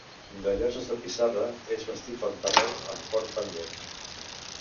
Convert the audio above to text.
De lloses de pissarra, és bastit en terreny amb fort pendent.